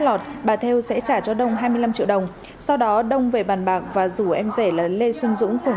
lọt bà theo sẽ trả cho đông hai mươi năm triệu đồng sau đó đông về bàn bạc và rủ em rể là lê xuân dũng cùng